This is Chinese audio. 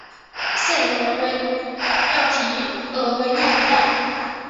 县里的人为庙题额为烈女庙。